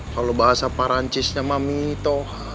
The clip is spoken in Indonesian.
kalo bahasa parancisnya mami toha